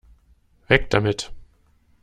Weg damit!